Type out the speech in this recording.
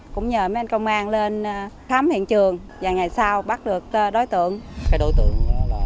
cũng nhờ mấy anh công an lên khám hiện trường và ngày sau bắt được đối tượng